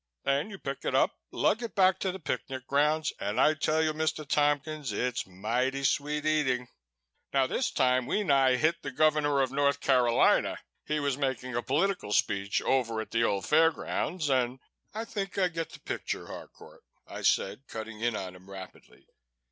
Then you pick it up, lug it back to the picnic grounds, and I tell you, Mr. Tompkins, it's mighty sweet eating. Now this time we nigh hit the Governor of North Carolina, he was making a political speech over at the old fair grounds, and " "I think I get the picture, Harcourt," I said, cutting in on him rapidly.